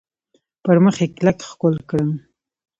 پر مخ یې کلک ښکل کړم .